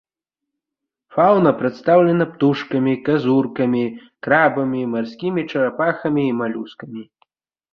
Фаўна прадстаўлена птушкамі, казуркамі, крабамі, марскімі чарапахамі і малюскамі.